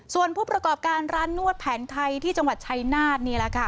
ส่วนผู้ประกอบการร้านนวดแผนไทยที่จังหวัดชัยนาธนี่แหละค่ะ